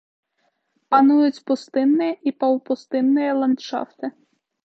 Пануюць пустынныя і паўпустынныя ландшафты.